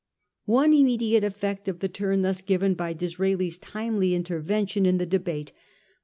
One immediate effect of the turn thus given by Disraeli's timely intervention in the debate was the VOL.